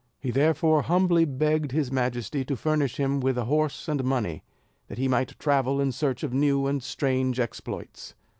He therefore humbly begged his majesty to furnish him with a horse and money, that he might travel in search of new and strange exploits.